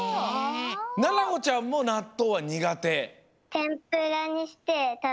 ななほちゃんもなっとうはにがて？